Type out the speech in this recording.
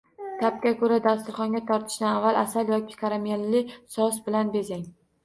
Ta’bga ko‘ra dasturxonga tortishdan avval asal yoki karamelli sous bilan bezang